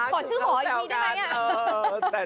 ขอชื่อขออีกทีได้ไหม